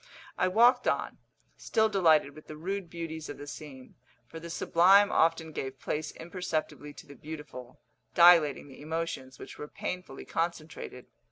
I walked on, still delighted with the rude beauties of the scene; for the sublime often gave place imperceptibly to the beautiful, dilating the emotions which were painfully concentrated.